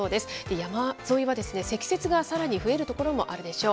山沿いは積雪がさらに増える所もあるでしょう。